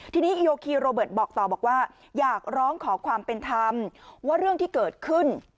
ทีนี้โยคีโรเบิร์ตบอกต่อบอกว่าอยากร้องขอความเป็นธรรมว่าเรื่องที่เกิดขึ้น